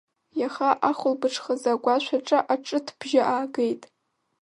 Иаха ахәылбыҽхазы агәашә аҿы аҿыҭбжьы аагеит.